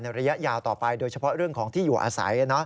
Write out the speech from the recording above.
ระยะยาวต่อไปโดยเฉพาะเรื่องของที่อยู่อาศัย